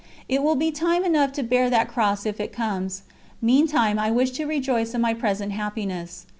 It will be time enough to bear that cross if it comes, meantime I wish to rejoice in my present happiness.